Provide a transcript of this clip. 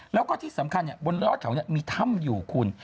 แล้วก็ที่สำคัญบนยอดเขามีถ้ำอยู่คุณ